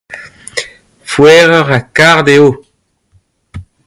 C'hwec'h eur ha kard eo.